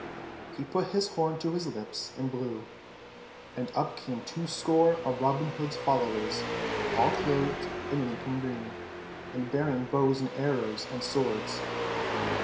He put his horn to his lips and blew, and up came two score of Robin Hood's followers, all clothed in Lincoln green, and bearing bows and arrows and swords.